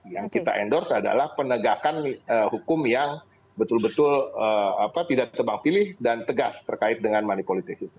yang kita endorse adalah penegakan hukum yang betul betul tidak tebang pilih dan tegas terkait dengan money politics itu